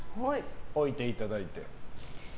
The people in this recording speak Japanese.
置いていただいて。